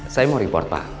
saya mau report pak